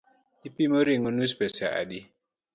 Ipimo ring’o nus pesa adi?